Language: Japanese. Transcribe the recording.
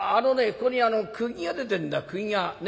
ここに釘が出てんだ釘が。ね？